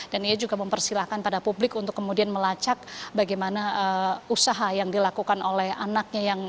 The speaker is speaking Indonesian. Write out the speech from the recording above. dan ia juga mempersilahkan pada publik untuk kemudian melacak bagaimana usaha yang dilakukan oleh anaknya